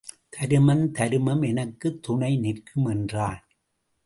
தருமம் தருமம் எனக்குத் துணை நிற்கும் என்றான்.